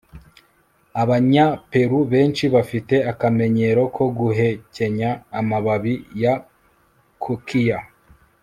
abanya peru benshi bafite akamenyero ko guhekenya amababi ya kokiya